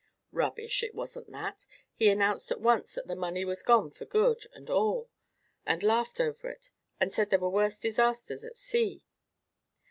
"Rubbish! It wasn't that. He announced at once that the money was gone for good and all, and laughed over it, and said there were worse disasters at sea.